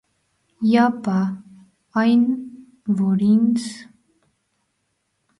- Հապա այն, որ ինձ…